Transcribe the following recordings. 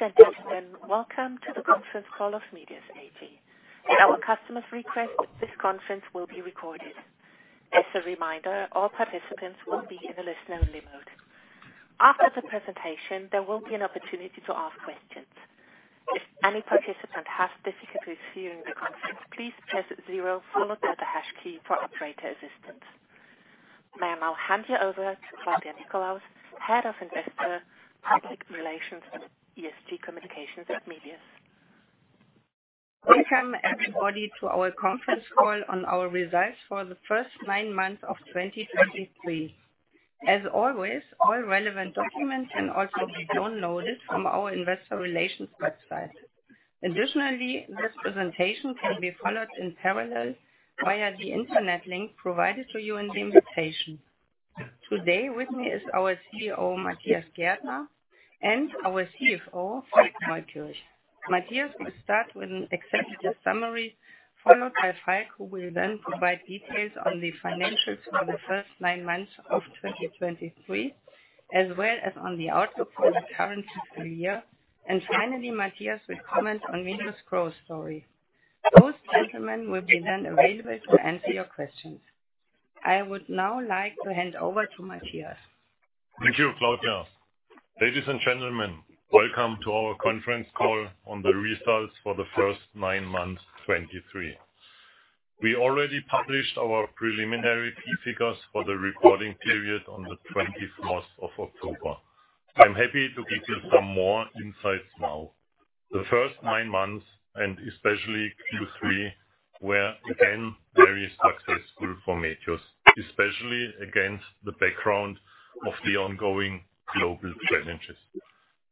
Ladies and gentlemen, welcome to the conference call of Medios AG. At our customer's request, this conference will be recorded. As a reminder, all participants will be in a listen-only mode. After the presentation, there will be an opportunity to ask questions. If any participant has difficulty hearing the conference, please press zero, followed by the hash key for operator assistance. May I now hand you over to Claudia Nickolaus, Head of Investor Public Relations and ESG Communications at Medios. Welcome, everybody, to our conference call on our results for the first nine months of 2023. As always, all relevant documents can also be downloaded from our investor relations website. Additionally, this presentation can be followed in parallel via the Internet link provided to you in the invitation. Today, with me is our CEO, Matthias Gärtner, and our CFO, Falk Neukirch. Matthias will start with an executive summary, followed by Falk, who will then provide details on the financials for the first nine months of 2023, as well as on the outlook for the current fiscal year. And finally, Matthias will comment on Medios' growth story. Both gentlemen will be then available to answer your questions. I would now like to hand over to Matthias. Thank you, Claudia. Ladies and gentlemen, welcome to our conference call on the results for the first nine months of 2023. We already published our preliminary key figures for the reporting period on the 21st of October. I'm happy to give you some more insights now. The first nine months, and especially Q3, were again very successful for Medios, especially against the background of the ongoing global challenges.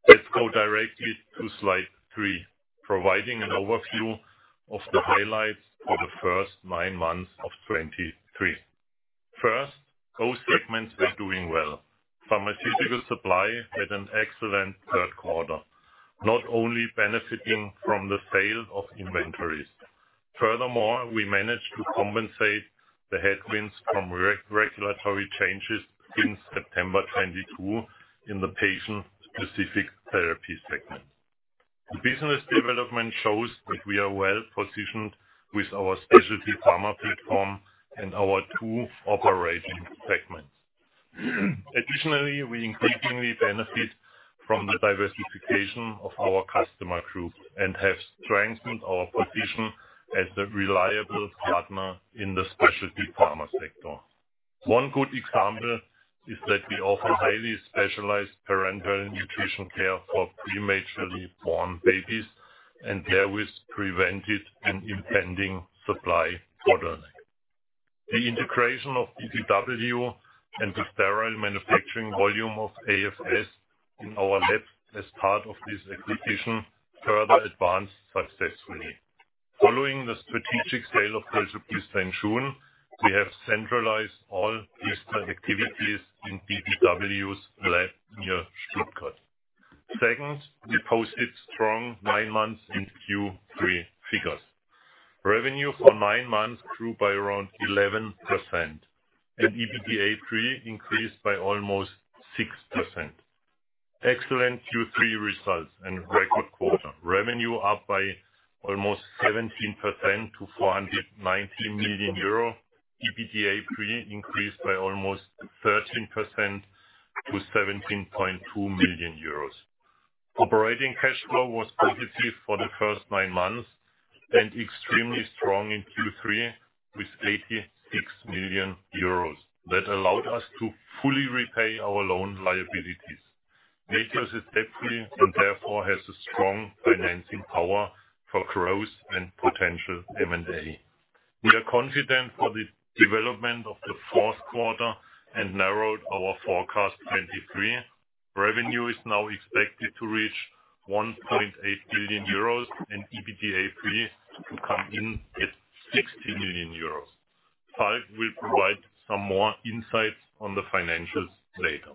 Let's go directly to slide 3, providing an overview of the highlights for the first nine months of 2023. First, both segments are doing well. Pharmaceutical Supply had an excellent third quarter, not only benefiting from the sale of inventories. Furthermore, we managed to compensate the headwinds from regulatory changes since September 2022 in the patient-specific therapy segment. The business development shows that we are well positioned with our Specialty Pharma platform and our two operating segments. Additionally, we increasingly benefit from the diversification of our customer group and have strengthened our position as a reliable partner in the specialty pharma sector. One good example is that we offer highly specialized parenteral nutrition care for prematurely born babies, and therewith prevented an impending supply bottleneck. The integration of bbw and the sterile manufacturing volume of AFS in our lab as part of this acquisition further advanced successfully. Following the strategic sale of..., we have centralized all eastern activities in bbw's lab near Stuttgart. Second, we posted strong nine months and Q3 figures. Revenue for nine months grew by around 11% and EBITDA increased by almost 6%. Excellent Q3 results and record quarter. Revenue up by almost 17% to 490 million euro. EBITDA increased by almost 13% to 17.2 million euros. Operating cash flow was positive for the first nine months and extremely strong in Q3 with 86 million euros. That allowed us to fully repay our loan liabilities. Medios is debt-free and therefore has a strong financing power for growth and potential M&A. We are confident for the development of the fourth quarter and narrowed our forecast 2023. Revenue is now expected to reach 1.8 billion euros and EBITDA to come in at 60 million euros. Falk will provide some more insights on the financials later.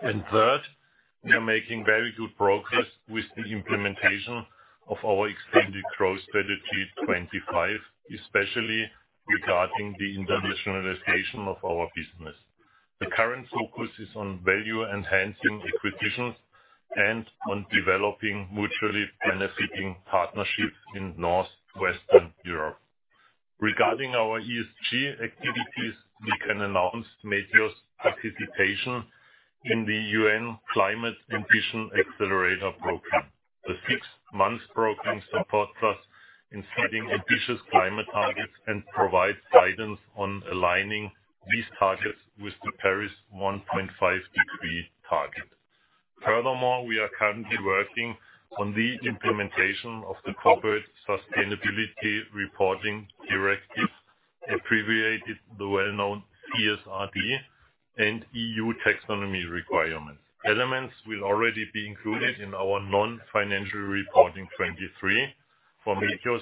And third, we are making very good progress with the implementation of our extended growth strategy 2025, especially regarding the internationalization of our business. The current focus is on value-enhancing acquisitions and on developing mutually benefiting partnerships in Northwestern Europe. Regarding our ESG activities, we can announce Medios' participation in the UN Climate Ambition Accelerator program. The six-month program supports us in setting ambitious climate targets and provides guidance on aligning these targets with the Paris 1.5 degree target. Furthermore, we are currently working on the implementation of the Corporate Sustainability Reporting Directive, abbreviated, the well-known CSRD and EU Taxonomy requirements. Elements will already be included in our non-financial reporting 2023 for Medios,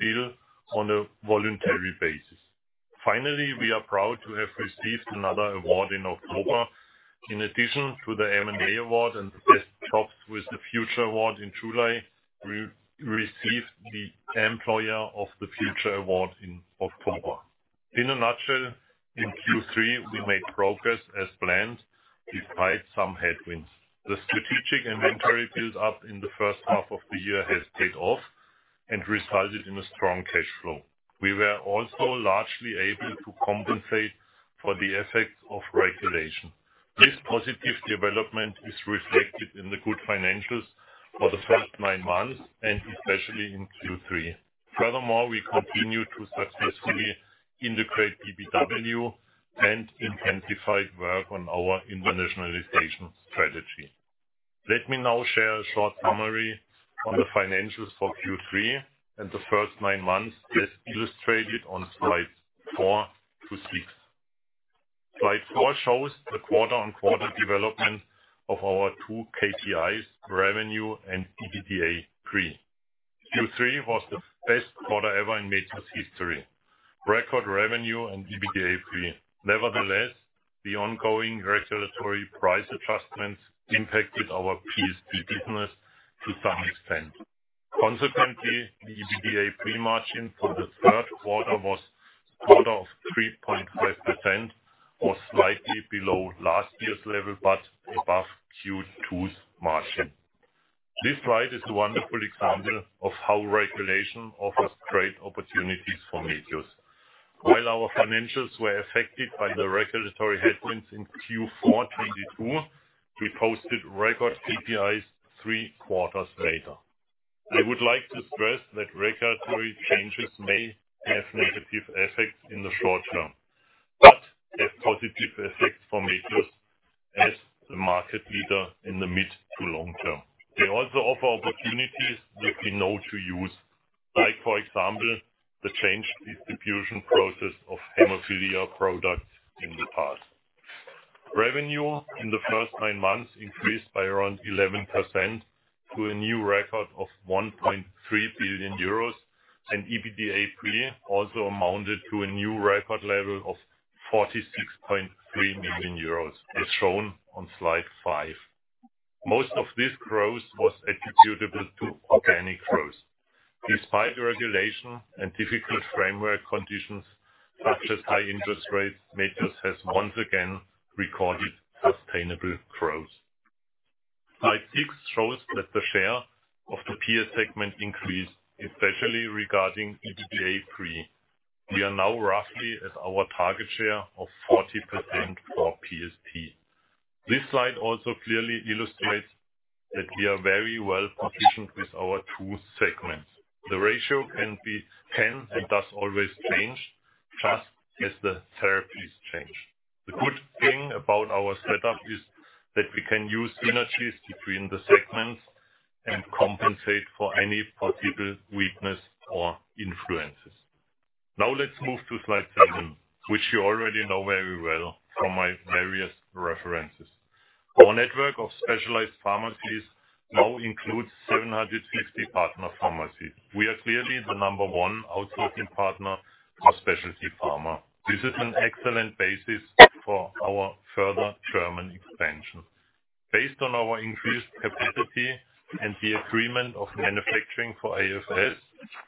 still on a voluntary basis. Finally, we are proud to have received another award in October. In addition to the M&A award, and just topped with the Future Award in July, we received the Employer of the Future Award in October. In a nutshell, in Q3, we made progress as planned, despite some headwinds. The strategic inventory build-up in the first half of the year has paid off and resulted in a strong cash flow. We were also largely able to compensate for the effects of regulation. This positive development is reflected in the good financials for the first nine months, and especially in Q3. Furthermore, we continue to successfully integrate bbw and intensified work on our internationalization strategy. Let me now share a short summary on the financials for Q3 and the first nine months, as illustrated on slides 4 to 6. Slide 4 shows the quarter-on-quarter development of our 2 KPIs, revenue and EBITDA pre. Q3 was the best quarter ever in Medios history. Record revenue and EBITDA pre. Nevertheless, the ongoing regulatory price adjustments impacted our PS business to some extent. Consequently, the EBITDA pre-margin for the third quarter was 3.5%, or slightly below last year's level, but above Q2's margin. This slide is a wonderful example of how regulation offers great opportunities for Medios. While our financials were affected by the regulatory headwinds in Q4 2022, we posted record KPIs three quarters later. I would like to stress that regulatory changes may have negative effects in the short term, but have positive effects for Medios as the market leader in the mid to long term. They also offer opportunities that we know to use, like, for example, the changed distribution process of hemophilia products in the past. Revenue in the first nine months increased by around 11% to a new record of 1.3 billion euros, and EBITDA pre also amounted to a new record level of 46.3 million euros, as shown on slide 5. Most of this growth was attributable to organic growth. Despite the regulation and difficult framework conditions, such as high interest rates, Medios has once again recorded sustainable growth. Slide 6 shows that the share of the PS segment increased, especially regarding EBITDA pre. We are now roughly at our target share of 40% for PSP. This slide also clearly illustrates that we are very well positioned with our two segments. The ratio can be 10, and does always change, just as the therapies change. The good thing about our setup is that we can use synergies between the segments and compensate for any possible weakness or influences. Now let's move to slide 7, which you already know very well from my various references. Our network of specialized pharmacies now includes 760 partner pharmacies. We are clearly the number one outsourcing partner for specialty pharma. This is an excellent basis for our further German expansion. Based on our increased capacity and the agreement of manufacturing for AFS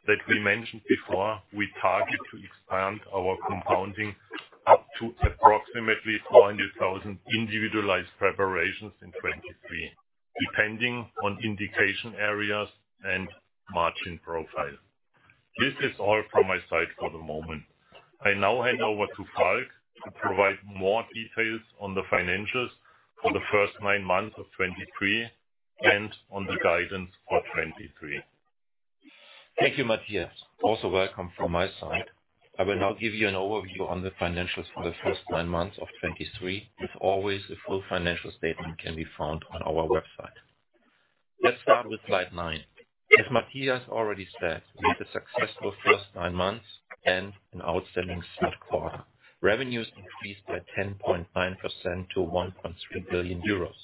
that we mentioned before, we target to expand our compounding up to approximately 400,000 individualized preparations in 2023, depending on indication areas and margin profile. This is all from my side for the moment. I now hand over to Falk to provide more details on the financials for the first nine months of 2023 and on the guidance for 2023. Thank you, Matthias. Also welcome from my side. I will now give you an overview on the financials for the first 9 months of 2023. As always, the full financial statement can be found on our website. Let's start with slide 9. As Matthias already said, it was a successful first 9 months and an outstanding third quarter. Revenues increased by 10.9% to 1.3 billion euros.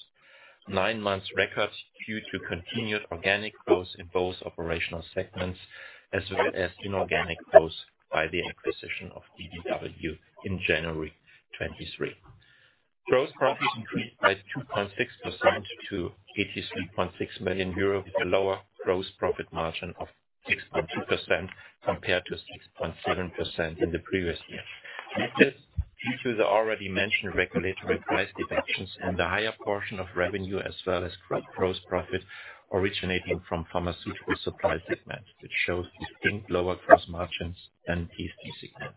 9-month records due to continued organic growth in both operational segments, as well as inorganic growth by the acquisition of bbw in January 2023. Gross profits increased by 2.6% to 83.6 million euro, with a lower gross profit margin of 6.2%, compared to 6.7% in the previous year. This is due to the already mentioned regulatory price reductions and the higher portion of revenue, as well as gross profit originating from pharmaceutical supply segment, which shows distinct lower gross margins than PST segment.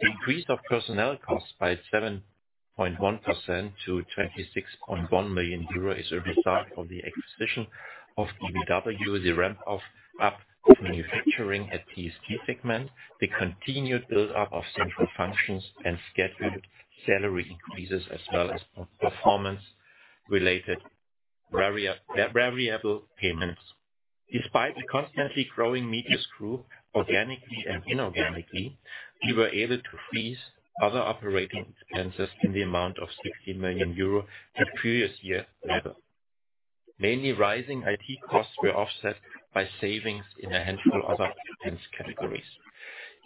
The increase of personnel costs by 7.1% to 26.1 million euro is a result of the acquisition of bbw, the ramp-up of manufacturing at PST segment, the continued build-up of central functions and scheduled salary increases, as well as performance related variable payments. Despite the constantly growing Medios group, organically and inorganically, we were able to freeze other operating expenses in the amount of 16 million euro at previous year level. Mainly rising IT costs were offset by savings in a handful of other expense categories.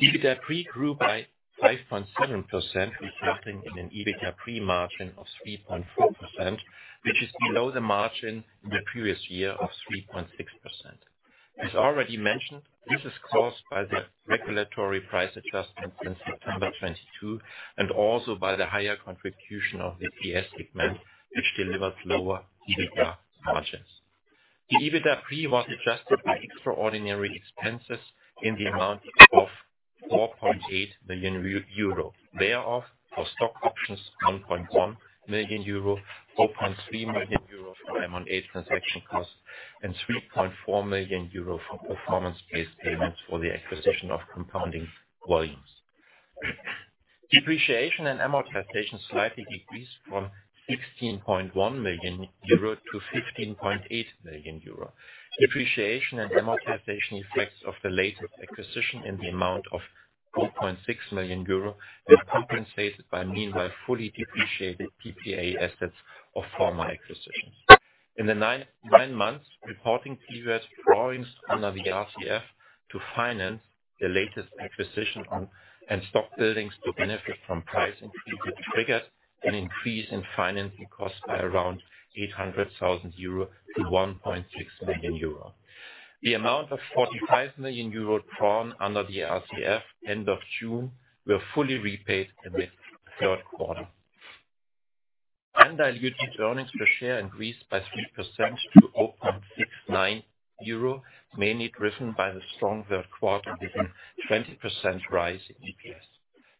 EBITDA pre grew by 5.7%, resulting in an EBITDA pre margin of 3.4%, which is below the margin in the previous year of 3.6%. As already mentioned, this is caused by the regulatory price adjustments in September 2022, and also by the higher contribution of the PS segment, which delivers lower EBITDA margins. The EBITDA pre was adjusted by extraordinary expenses in the amount of 4.8 million euro, thereof for stock options 1.1 million euro, 4.3 million euro for M&A transaction costs, and 3.4 million euro for performance-based payments for the acquisition of compounding volumes. Depreciation and amortization slightly decreased from 16.1 million euro to 15.8 million euro. Depreciation and amortization effects of the latest acquisition in the amount of 2.6 million euro is compensated by meanwhile fully depreciated PPA assets of former acquisitions. In the nine-month reporting periods, drawings under the RCF to finance the latest acquisition and stock building to benefit from price increases triggered an increase in financing costs by around 800 thousand euro to 1.6 million euro. The amount of 45 million euro drawn under the RCF end of June were fully repaid in the third quarter. Undiluted earnings per share increased by 3% to 0.69 euro, mainly driven by the strong third quarter with a 20% rise in EPS.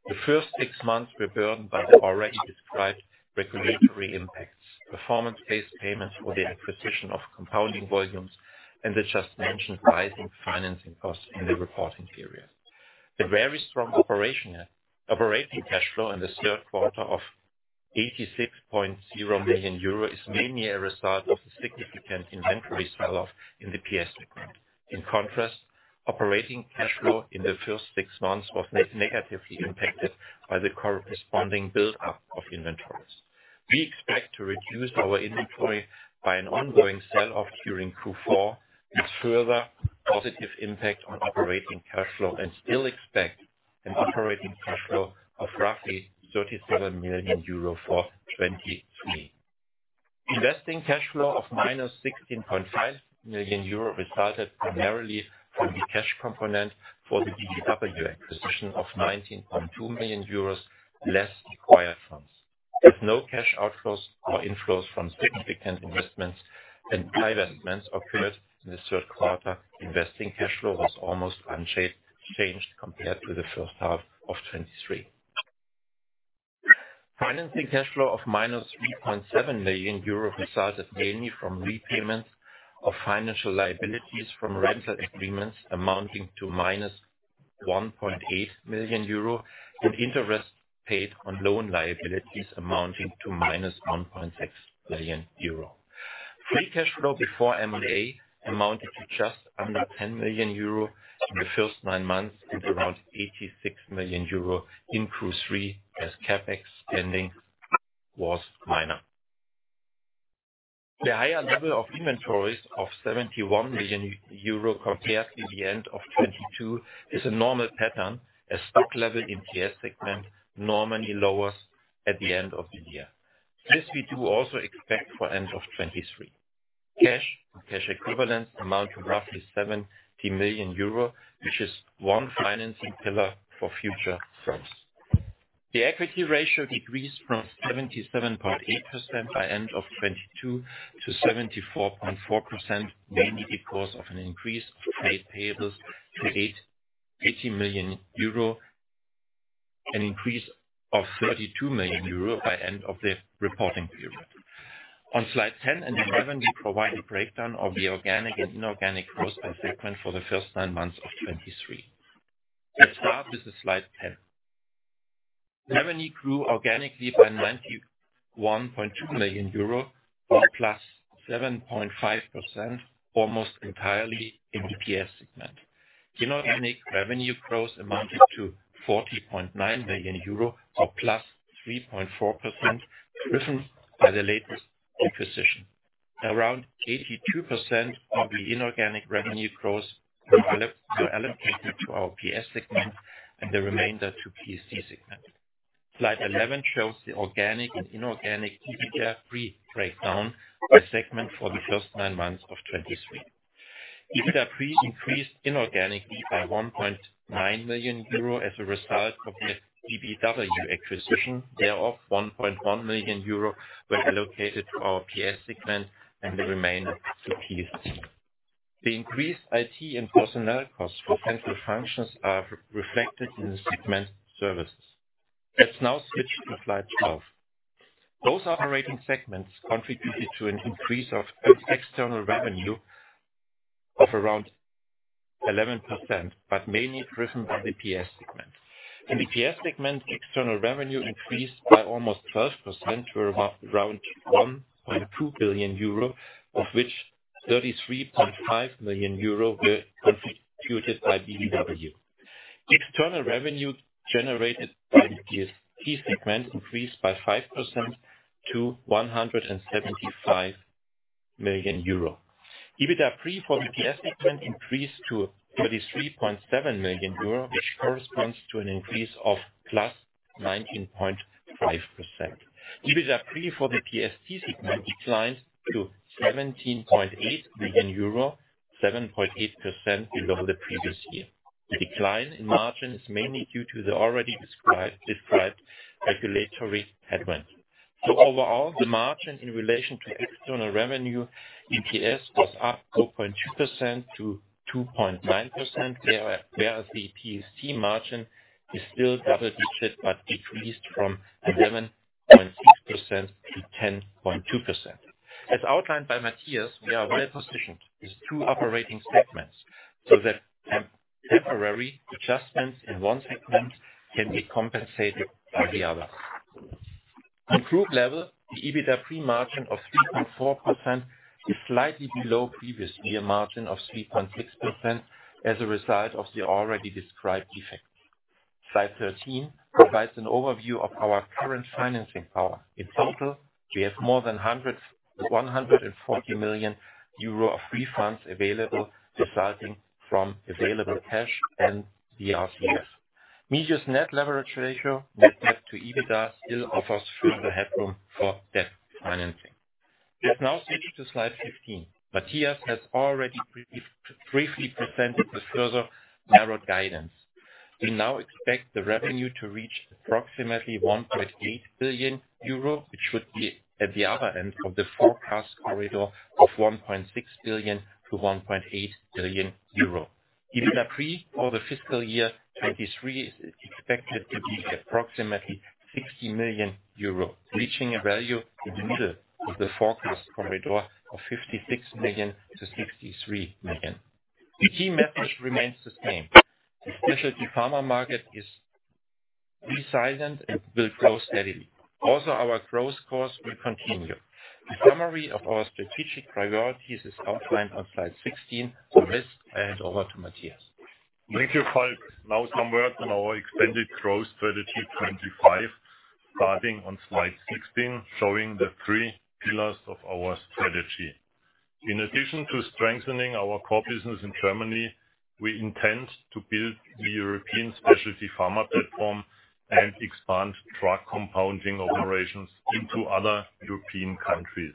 The first six months were burdened by the already described regulatory impacts, performance-based payments for the acquisition of compounding volumes, and the just mentioned rising financing costs in the reporting period. The very strong operating cash flow in the third quarter of 86.0 million euro is mainly a result of the significant inventory sell-off in the PS segment. In contrast, operating cash flow in the first six months was negatively impacted by the corresponding buildup of inventories. We expect to reduce our inventory by an ongoing sell-off during Q4, a further positive impact on operating cash flow, and still expect an operating cash flow of roughly 37 million euro for 2023. Investing cash flow of -16.5 million euro resulted primarily from the cash component for the BBW acquisition of 19.2 million euros, less acquired funds. With no cash outflows or inflows from significant investments and divests occurred in the third quarter, investing cash flow was almost unchanged compared to the first half of 2023. Financing cash flow of -3.7 million euros resulted mainly from repayments of financial liabilities from rental agreements amounting to -1.8 million euro, and interest paid on loan liabilities amounting to -1.6 million euro. Free cash flow before M&A amounted to just under 10 million euro in the first nine months, and around 86 million euro in Q3, as CapEx spending was minor. The higher level of inventories of 71 million euro compared to the end of 2022, is a normal pattern, as stock level in PS segment normally lowers at the end of the year. This we do also expect for end of 2023. Cash and cash equivalents amount to roughly 70 million euro, which is one financing pillar for future firms. The equity ratio decreased from 77.8% by end of 2022, to 74.4%, mainly because of an increase of trade payables to 88 million euro, an increase of 32 million euro by end of the reporting period. On slide 10 and 11, we provide a breakdown of the organic and inorganic growth by segment for the first nine months of 2023. Let's start with the slide 10. Revenue grew organically by 91.2 million euro, or +7.5%, almost entirely in the PS segment. Inorganic revenue growth amounted to 40.9 million euro, or +3.4%, driven by the latest acquisition. Around 82% of the inorganic revenue growth developed, are allocated to our PS segment, and the remainder to PST segment. Slide 11 shows the organic and inorganic EBITDA pre-breakdown by segment for the first nine months of 2023. EBITDA pre increased inorganically by 1.9 million euro as a result of the BBW acquisition. Thereof, 1.1 million euro were allocated to our PS segment, and the remainder to PST. The increased IT and personnel costs for central functions are reflected in the segment services. Let's now switch to slide 12. Those operating segments contributed to an increase of external revenue of around 11%, but mainly driven by the PS segment. In the PS segment, external revenue increased by almost 12% to about around 1.2 billion euro, of which 33.5 million euro were contributed by BBW. External revenue generated by the PST segment increased by 5% to 175 million euro. EBITDA pre for PST segment increased to 33.7 million euro, which corresponds to an increase of +19.5%. EBITDA pre for the PS segment declines to 17.8 billion euro, 7.8% below the previous year. The decline in margin is mainly due to the already described regulatory headwind. So overall, the margin in relation to external revenue, PST, was up 4.2% to 2.9%, where the PS margin is still double digits, but decreased from 11.6% to 10.2%. As outlined by Matthias, we are well positioned with two operating segments, so that temporary adjustments in one segment can be compensated by the other. On group level, the EBITDA pre-margin of 3.4% is slightly below previous year margin of 3.6% as a result of the already described effects. Slide 13 provides an overview of our current financing power. In total, we have more than 140 million euro of free funds available, resulting from available cash and the RCF. Medios' net leverage ratio, net debt to EBITDA, still offers further headroom for debt financing. Let's now switch to Slide 15. Matthias has already briefly presented the further narrowed guidance. We now expect the revenue to reach approximately 1.8 billion euro, which should be at the upper end of the forecast corridor of 1.6 billion-1.8 billion euro. EBITDA pre for the fiscal year 2023 is expected to be approximately 60 million euro, reaching a value in the middle of the forecast corridor of 56 million-63 million. The key message remains the same: the Specialty Pharma market is resilient and will grow steadily. Also, our growth course will continue. The summary of our strategic priorities is outlined on slide 16. For this, I hand over to Matthias. Thank you, Falk. Now some words on our extended growth strategy 25, starting on slide 16, showing the three pillars of our strategy. In addition to strengthening our core business in Germany, we intend to build the European Specialty Pharma platform and expand drug compounding operations into other European countries.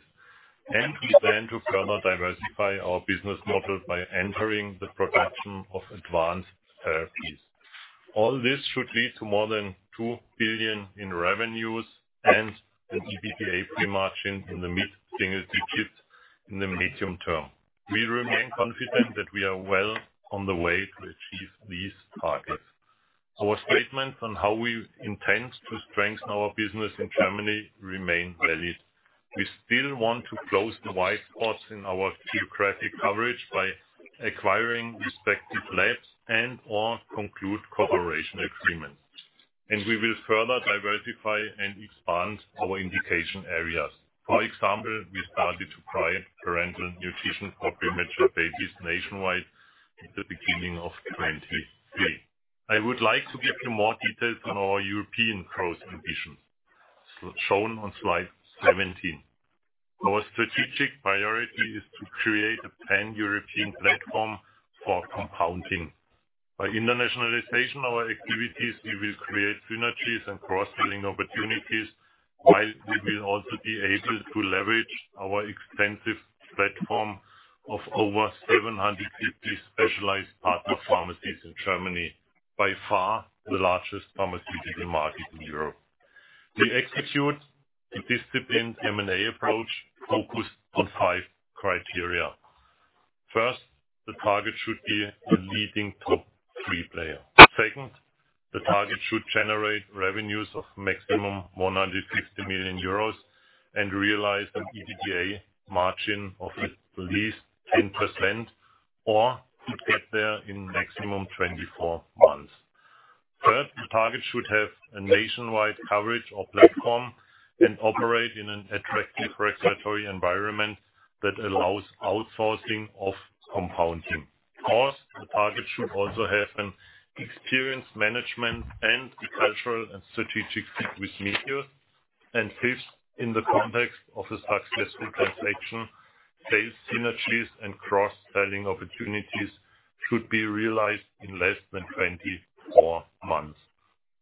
And we plan to further diversify our business model by entering the production of Advanced Therapies. All this should lead to more than 2 billion in revenues and an EBITDA pre-margin in the mid-single digits in the medium term. We remain confident that we are well on the way to achieve these targets. Our statements on how we intend to strengthen our business in Germany remain valid. We still want to close the wide spots in our geographic coverage by acquiring respective labs and/or conclude cooperation agreements. And we will further diversify and expand our indication areas. For example, we started to provide parenteral nutrition for premature babies nationwide at the beginning of 2023. I would like to give you more details on our European growth ambition, shown on slide 17. Our strategic priority is to create a pan-European platform for compounding. By internationalizing our activities, we will create synergies and cross-selling opportunities, while we will also be able to leverage our extensive platform of over 750 specialized partner pharmacies in Germany, by far the largest pharmaceutical market in Europe. We execute a disciplined M&A approach focused on five criteria. First, the target should be a leading top three player. Second, the target should generate revenues of maximum 160 million euros and realize an EBITDA margin of at least 10%, or should get there in maximum 24 months. Third, the target should have a nationwide coverage or platform and operate in an attractive regulatory environment that allows outsourcing of compounding. Fourth, the target should also have an experienced management and a cultural and strategic fit with Medios. And fifth, in the context of a successful transaction, scale synergies and cross-selling opportunities should be realized in less than 24 months.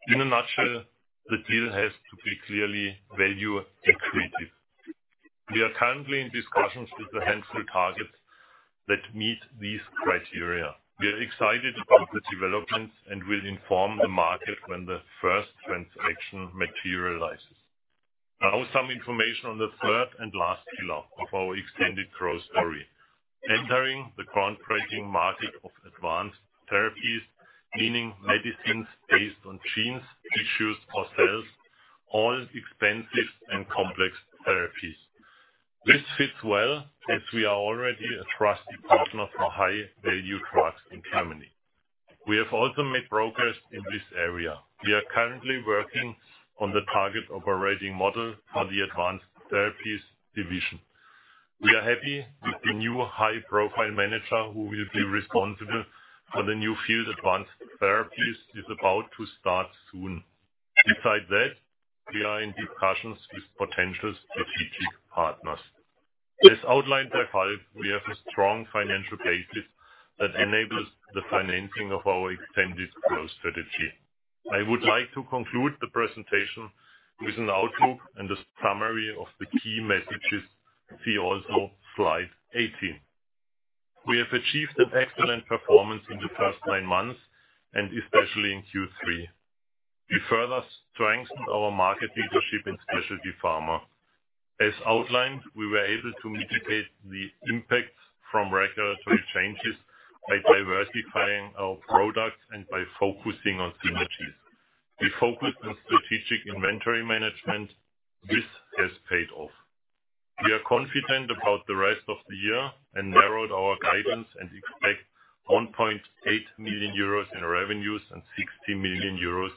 In a nutshell, the deal has to be clearly value accretive. We are currently in discussions with a handful of targets that meet these criteria. We are excited about the developments and will inform the market when the first transaction materializes. Now, some information on the third and last pillar of our extended growth story. Entering the groundbreaking market of advanced therapies, meaning medicines based on genes, tissues, or cells, all expensive and complex therapies. This fits well, as we are already a trusted partner for high-value drugs in Germany. We have also made progress in this area. We are currently working on the target operating model for the Advanced Therapies division. We are happy with the new high-profile manager, who will be responsible for the new field Advanced Therapies, is about to start soon. Besides that, we are in discussions with potential strategic partners. As outlined by Falk, we have a strong financial basis that enables the financing of our extended growth strategy. I would like to conclude the presentation with an outlook and a summary of the key messages, see also slide 18. We have achieved an excellent performance in the first nine months, and especially in Q3. We further strengthened our market leadership in Specialty Pharma. As outlined, we were able to mitigate the impacts from regulatory changes by diversifying our products and by focusing on synergies. We focused on strategic inventory management. This has paid off. We are confident about the rest of the year and narrowed our guidance, and expect 1.8 million euros in revenues and 60 million euros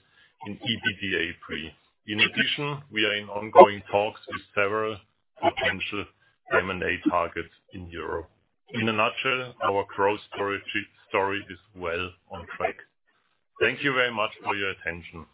in EBITDA pre. In addition, we are in ongoing talks with several potential M&A targets in Europe. In a nutshell, our growth story is well on track. Thank you very much for your attention.